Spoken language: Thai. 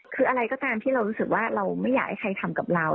คืออะไรก็ตามที่เรารู้สึกว่าเราไม่อยากให้ใครทำกับเรา